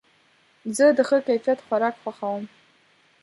زه د ښه کیفیت خوراک خوښوم.